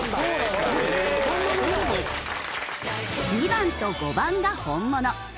２番と５番が本物。